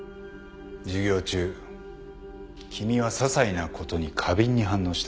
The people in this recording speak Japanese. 授業中君はささいなことに過敏に反応した。